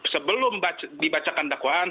sebelum dibacakan dakwaan